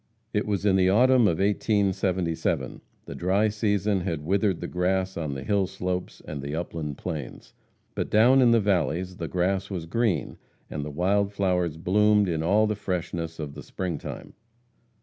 It was in the autumn of 1877. The dry season had withered the grass on the hill slopes and the upland plains. But down in the valleys the grass was green, and the wild flowers bloomed in all the freshness of the spring time.